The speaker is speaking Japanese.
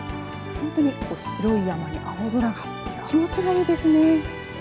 本当に白い山に青空が気持ち良いですね。